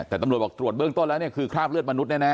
แต่ตำรวจบอกตรวจเบื้องต้นแล้วเนี่ยคือคราบเลือดมนุษยแน่